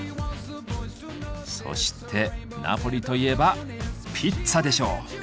そしてナポリといえばピッツァでしょう！